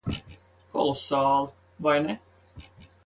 Kolosāli. Vai ne?